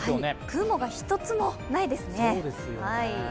雲が一つもないですね。